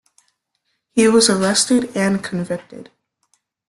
He was arrested and convicted.